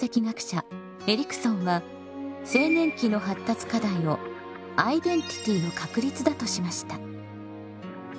エリクソンは青年期の発達課題をアイデンティティの確立だとしました。